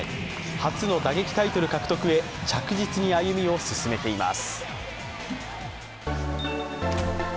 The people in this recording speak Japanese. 初の打撃タイトル獲得へ着実に歩みを進めています。